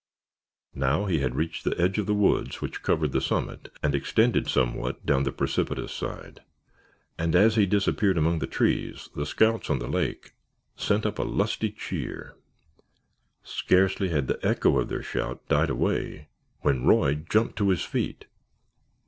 Now he had reached the edge of the woods which covered the summit and extended somewhat down the precipitous side, and as he disappeared among the trees the scouts on the lake sent up a lusty cheer. Scarcely had the echo of their shout died away when Roy jumped to his feet.